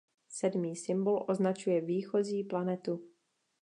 Sedmý symbol označuje výchozí planetu.